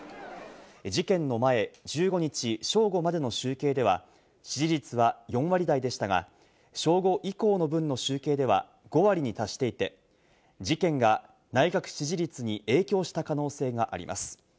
事件の前、１５日正午までの集計では、支持率は４割台でしたが、正午以降の分の集計では５割に達していて、事件が内閣支持率に影響した可能性があります。